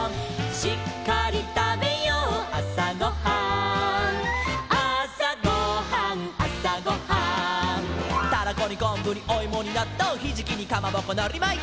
「しっかりたべようあさごはん」「あさごはんあさごはん」「タラコにこんぶにおいもになっとう」「ひじきにかまぼこのりまいて」